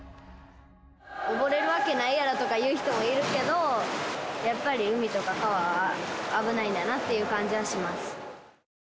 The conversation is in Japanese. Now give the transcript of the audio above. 溺れるわけないやろとか言う人もいるけど、やっぱり海とか川は危ないんだなって感じはします。